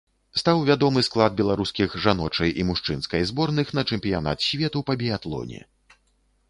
Стаў вядомы склад беларускіх жаночай і мужчынскай зборных на чэмпіянат свету па біятлоне.